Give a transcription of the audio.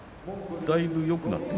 だいぶよくなって？